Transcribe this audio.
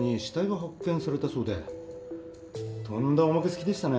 とんだおまけ付きでしたね。